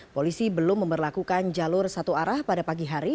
polisi belum memperlakukan jalur satu arah pada pagi hari